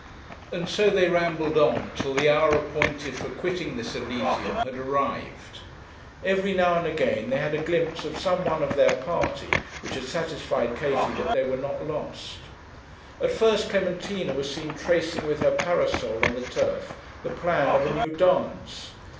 And so they rambled on till the hour appointed for quitting this Elysium had arrived. Every now and again they had a glimpse of some one of their party, which had satisfied Katie that they were not lost. At first Clementina was seen tracing with her parasol on the turf the plan of a new dance.